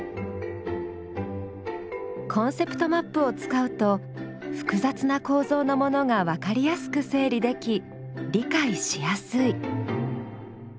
コンセプトマップを使うと複雑な構造のものがわかりやすく整理でき理解しやすい。